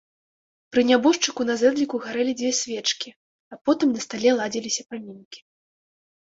Пры нябожчыку на зэдліку гарэлі дзве свечкі, а побач на стале ладзіліся памінкі.